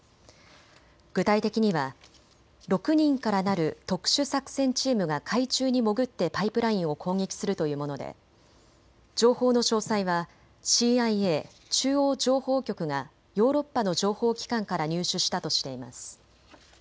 具体的には６人からなる特殊作戦チームが海中に潜ってパイプラインを攻撃するというもので情報の詳細はＣＩＡ・中央情報局がヨーロッパの情報機関から入手したとしています。